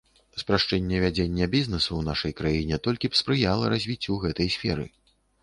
Спрашчэнне вядзення бізнэсу ў нашай краіне толькі б спрыяла развіццю гэтай сферы.